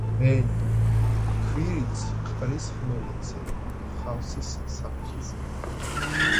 ქვირითს ყრის ხმელეთზე, ხავსის საფენზე.